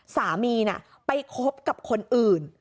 สามีไปคบกับคนอื่น